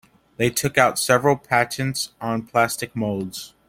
They took out several patents on plastic molds.